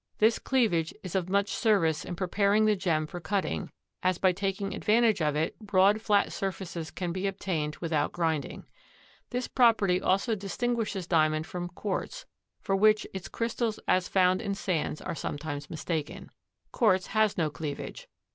This cleavage is of much service in preparing the gem for cutting, as by taking advantage of it, broad, flat surfaces can be obtained without grinding. This property also distinguishes Diamond from quartz, for which its crystals as found in sands are sometimes mistaken. Quartz has no cleavage.